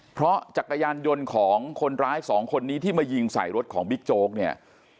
เพราะจักรยานยนต์ของคนร้ายสองคนนี้ที่มายิงใส่รถของบิ๊กโจ๊กเนี่ย